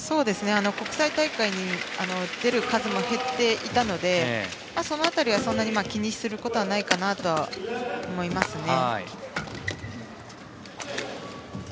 国際大会に出る数も減っていたのでその辺りはそんなに気にすることはないのかなと思いますね。